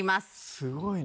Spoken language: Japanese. すごいな。